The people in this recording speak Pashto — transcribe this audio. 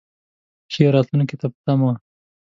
ښې راتلونکې ته په تمه و.